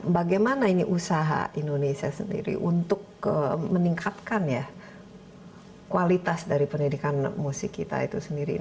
bagaimana ini usaha indonesia sendiri untuk meningkatkan ya kualitas dari pendidikan musik kita itu sendiri